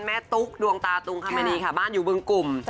แม่ตุ๊กดวงตาตุ๊งคำเนียนี้ค่ะบ้านอยู่บึงกุ่ม